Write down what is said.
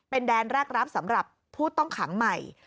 เป็นแดนแรกรับสำหรับผู้ต้องขังใหม่